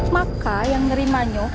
maka yang menerimanya